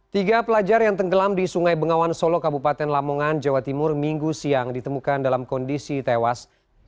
tiga pelajar yang tenggelam di sungai bengawan solo kabupaten lamongan jawa timur minggu siang ditemukan dalam kondisi tewas